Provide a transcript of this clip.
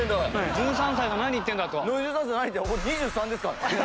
１３歳が何言って俺２３ですから。